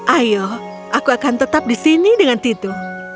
ayo aku akan tetap di sini dengan titu